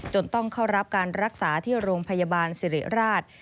ต้องเข้ารับการรักษาที่โรงพยาบาลสิริราช